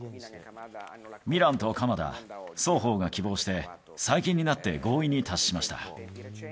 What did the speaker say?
ミランと鎌田、双方が希望して、最近になって合意に達しました。